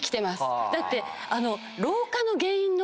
だって。